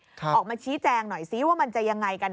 ออกมาชี้แจงหน่อยซิว่ามันจะยังไงกัน